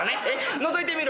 のぞいてみる。